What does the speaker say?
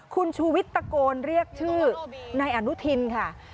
คุณชูวิทย์ตะโกนเรียกชื่อนายอนุทินค่ะ